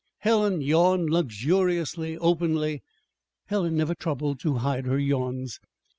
Helen yawned luxuriously, openly Helen never troubled to hide her yawns.